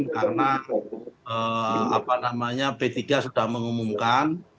karena apa namanya p tiga sudah mengumumkan